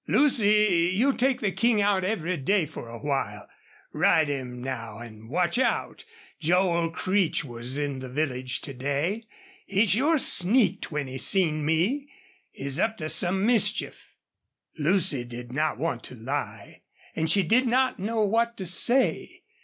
Lucy, you take the King out every day for a while. Ride him now an' watch out! Joel Creech was in the village to day. He sure sneaked when he seen me. He's up to some mischief." Lucy did not want to lie and she did not know what to say.